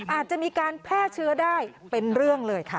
อาจจะมีการแพร่เชื้อได้เป็นเรื่องเลยค่ะ